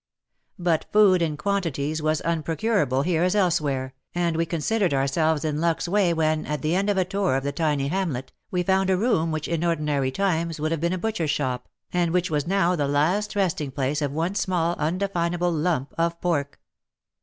But food in quantities was unprocurable here as elsewhere, and we considered ourselves in luck's way when, at the end of a tour of the tiny hamlet, we found a room which in ordinary times would have been a butcher's shop, and which was now the last resting place of one small undefinable lump of pork.